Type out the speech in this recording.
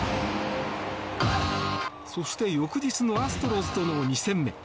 そして翌日のアストロズとの２戦目。